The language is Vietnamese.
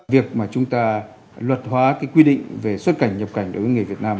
việc mà chúng ta luật hóa cái quy định về xuất cảnh nhập cảnh đối với người việt nam